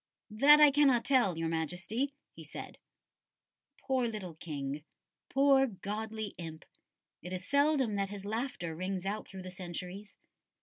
"That I cannot tell Your Majesty," said he. Poor little King! poor "godly imp"! It is seldom that his laughter rings out through the centuries.